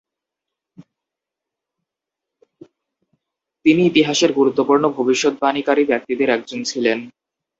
তিনি ইতিহাসের গুরুত্বপূর্ণ ভবিষ্যদ্বাণীকারীদের একজন ছিলেন।